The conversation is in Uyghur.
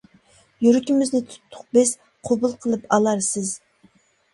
يۈرىكىمىزنى تۇتتۇق بىز، قوبۇل قىلىپ ئالارسىز.